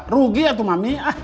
rugi ya tuh mami